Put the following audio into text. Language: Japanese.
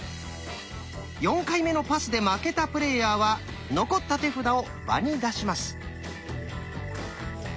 ４回目のパスで負けたプレイヤーは残った手札を場に出します。